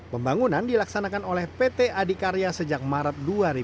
pembangunan dilaksanakan oleh pt adhikarya sejak maret dua ribu enam belas